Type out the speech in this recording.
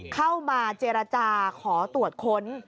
เข้ามาเจรจาขอตรวจค้น